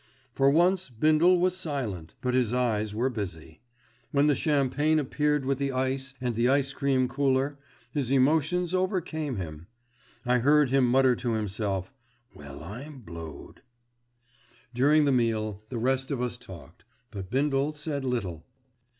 For once Bindle was silent; but his eyes were busy. When the champagne appeared with the ice and the ice cream cooler, his emotions overcame him. I heard him mutter to himself, "Well I'm blowed." During the meal the rest of us talked; but Bindle said little.